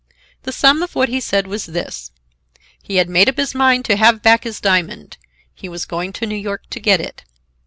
The sum of what he said was this: He had made up his mind to have back his diamond. He was going to New York to get it.